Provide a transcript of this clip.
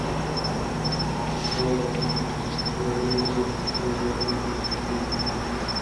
واوره به د ونې پر پښو ډېر وخت پرته وي.